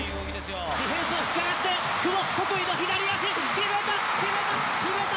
ディフェンスを引き離して久保得意の左足決めた！